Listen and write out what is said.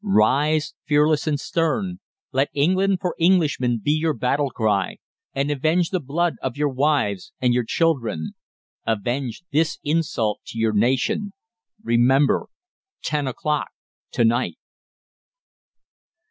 RISE, FEARLESS AND STERN. Let "England for Englishmen" be your battle cry, and avenge the blood of your wives and your children. AVENGE THIS INSULT TO YOUR NATION. REMEMBER: TEN O'CLOCK TO NIGHT!